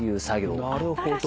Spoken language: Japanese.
なるほど。